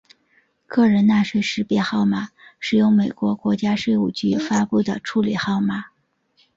个人纳税识别号码是由美国国家税务局发布的处理号码。